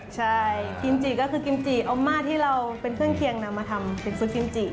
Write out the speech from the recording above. ใช่คิมจิก็คือกิมจิเอามาที่เราเป็นเครื่องเคียงนำมาทำเป็นซุปกิมจิ